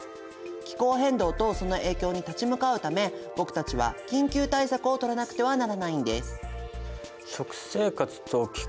気候変動とその影響に立ち向かうため僕たちは緊急対策をとらなくてはならないんです。